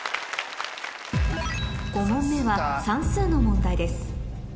５問目はの問題です